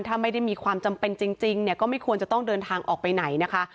ถ้าไม่ได้มีความจำเป็นจริงเนี่ยก็ไม่ควรจะต้องเดินทางออกไปไหนนะคะ